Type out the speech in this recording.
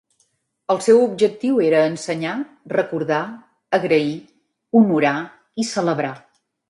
El seu objectiu era ensenyar, recordar, agrair, honorar i celebrar.